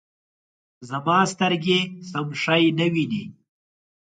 زما سترګې سم شی نه وینې